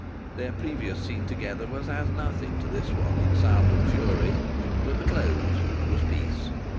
Their previous scene together was as nothing to this one in sound and fury. But the close was peace.